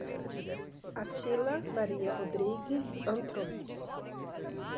Atila Maria Rodrigues Antrobos